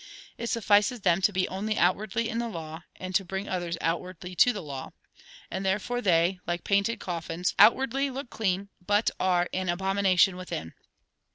It suffices them to be only outwardly in the law, and to bring others outwardly to the law. And therefore they, like painted coffins, outwardly look clean, but are an abomination within.